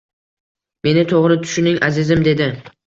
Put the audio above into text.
Meni toʻgʻri tushuning, azizim, - dedi